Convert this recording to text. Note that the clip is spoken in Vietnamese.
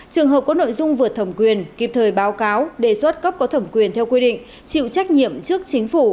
trường hợp có nội dung vượt thẩm quyền kịp thời báo cáo đề xuất cấp có thẩm quyền theo quy định chịu trách nhiệm trước chính phủ